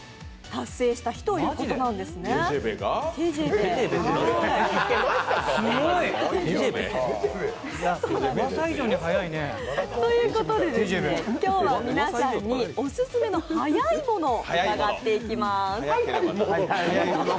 達成した日ということなんですよね。ということで、今日は皆さんにオススメの速いものを伺っていきます。